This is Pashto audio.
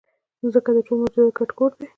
مځکه د ټولو موجوداتو ګډ کور دی.